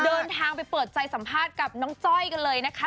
เดินทางไปเปิดใจสัมภาษณ์กับน้องจ้อยกันเลยนะคะ